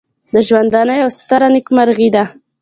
د ژوندانه یوه ستره نېکمرغي ده.